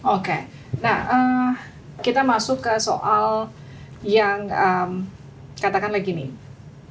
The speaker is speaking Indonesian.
oke kita masuk ke soal yang katakan lagi nih